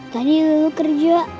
tani lu kerja